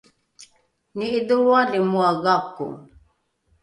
ni’idholroali moa gako